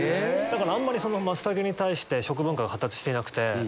あんまり松茸に対して食文化が発達していなくて。